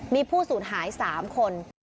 มีผู้สูญหาย๓คน